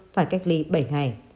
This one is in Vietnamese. phải cách ly bảy ngày